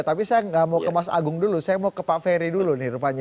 tapi saya nggak mau ke mas agung dulu saya mau ke pak ferry dulu nih rupanya